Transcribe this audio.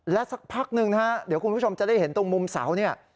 และสักพักหนึ่งนะฮะเดี๋ยวคุณผู้ชมจะได้เห็นตรงมุมเสาเนี่ย